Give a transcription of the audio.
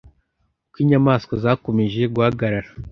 Uko inyamaswa zakomeje guhagarara